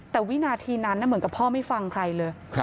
แต่วินาทีนั้นเหมือนกับพ่อไม่ฟังใครเลย